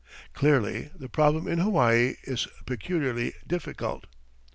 Clearly, the problem in Hawaii is peculiarly difficult.